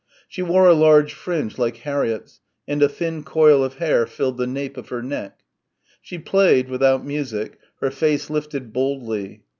She wore a large fringe like Harriett's and a thin coil of hair filled the nape of her neck. She played, without music, her face lifted boldly.